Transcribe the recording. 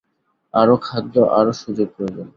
আরও খাদ্য, আরও সুযোগ প্রয়োজন।